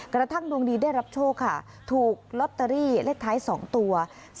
กระทั่งดวงดีได้รับโชคค่ะถูกลอตเตอรี่เลขท้าย๒ตัว